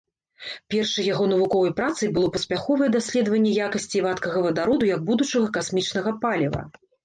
Першай яго навуковай працай было паспяховае даследаванне якасцей вадкага вадароду як будучага касмічнага паліва.